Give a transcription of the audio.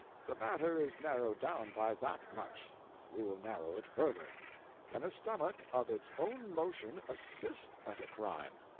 The matter is narrowed down by that much; we will narrow it further. Can a stomach, of its own motion, assist at a crime?